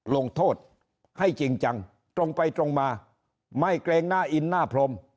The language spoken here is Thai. ลงโทษให้จริงจังตรงไปตรงมาไม่เกรงหน้าอินหน้าพรม